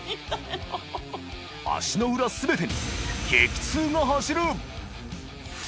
秣領全てに激痛が走る！